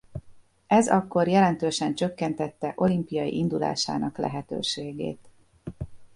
Ez akkor jelentősen csökkentette olimpiai indulásának lehetőségét.